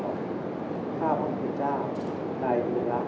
สวัสดีครับสวัสดีครับสวัสดีครับ